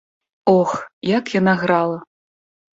Ох, як яна грала!